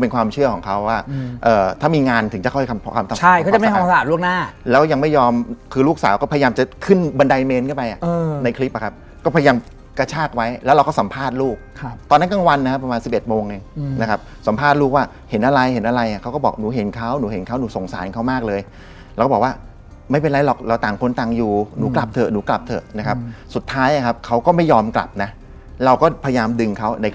เป็นแบบนี้บ่อยมาก